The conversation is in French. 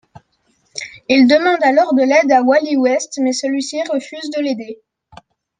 Il demande alors de l'aide à Wally West mais celui-ci refuse de l'aider.